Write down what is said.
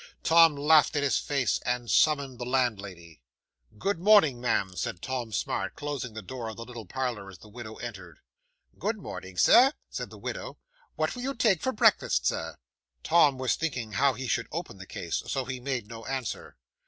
Tom laughed in his face; and summoned the landlady. '"Good morning ma'am," said Tom Smart, closing the door of the little parlour as the widow entered. '"Good morning, Sir," said the widow. "What will you take for breakfast, sir?" 'Tom was thinking how he should open the case, so he made no answer.